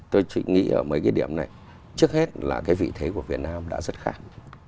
tôi chỉ nghĩ ở mấy cái điểm này trước hết là cái vị thế của việt nam đã rất khác